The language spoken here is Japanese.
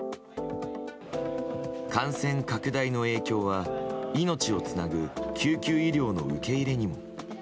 感染拡大の影響は命をつなぐ救急医療の受け入れにも。